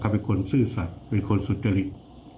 เป็นคนซื่อสัตว์เป็นคนสุจริต